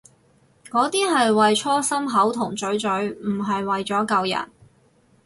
嗰啲係為搓心口同嘴嘴，唔係為咗救人